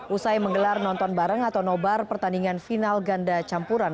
usai menggelar nonton bareng atau nobar pertandingan final ganda campuran